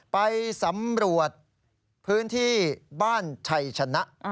ไปสำรวจพื้นที่บ้านชัยชนะ